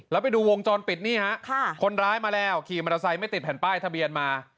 แล้วไปดูวงจรปิดนี่ฮะคนร้ายมาแล้วขี่มอเตอร์ไซค์ไม่ติดแผ่นป้ายทะเบียนมา